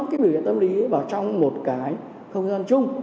cái biểu hiện tâm lý vào trong một cái không gian chung